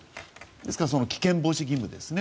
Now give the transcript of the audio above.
ですから危険防止義務ですね。